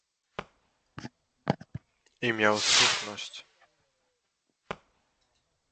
"I miał słuszność."